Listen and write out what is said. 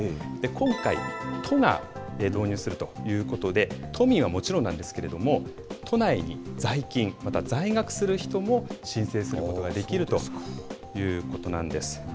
今回、都が導入するということで、都民はもちろんなんですけれども、都内に在勤、または在学する人も申請することができるということなんです。